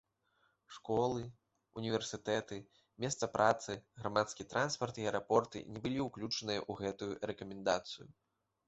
Школы, універсітэты, месца працы, грамадскі транспарт і аэрапорты не былі ўключаныя ў гэтую рэкамендацыю.